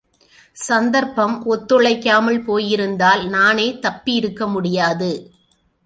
சந்தர்ப்பம் ஒத்துழைக்காமல் போயிருந்தால் நானே தப்பியிருக்க முடியாது.